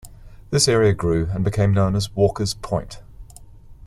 This area grew and became known as Walker's Point.